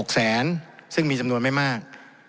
แสนซึ่งมีจำนวนไม่มาก